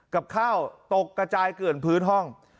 กับข้าวตกกระจายเกลื่อนพื้นห้อง